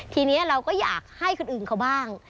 ทีนี้เราก็อยากให้คนอื่นเขาบ้าง